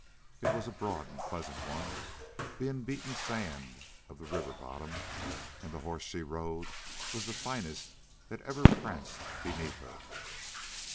It was a broad and pleasant one, being the beaten sand of the river bottom; and the horse she rode was the finest that ever pranced beneath her.